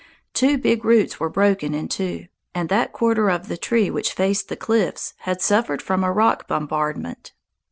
Two big roots were broken in two, and that quarter of the tree which faced the cliffs had suffered from a rock bombardment.